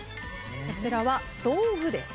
こちらは道具です。